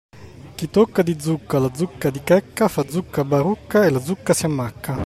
Chi tocca di zucca la zucca di Checca fa zucca barucca e la zucca si ammacca.